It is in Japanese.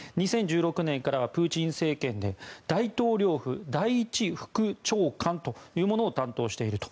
２００６年からはプーチン政権で大統領府第１副長官を担当していると。